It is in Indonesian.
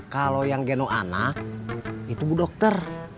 kalau yang geno anak itu bu dokter